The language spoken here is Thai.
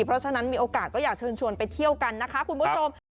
เพราะฉะนั้นมีโอกาสก็อยากเชิญชวนไปเที่ยวกันนะคะคุณผู้ชม